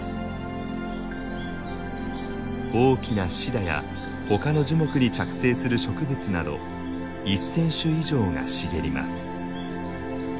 大きなシダや他の樹木に着生する植物など１，０００種以上が茂ります。